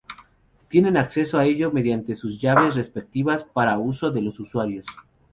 Tienen acceso a ellos mediante sus llaves respectivas para uso de los usuarios.